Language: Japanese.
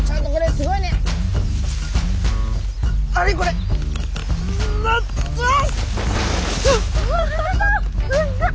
すっごい！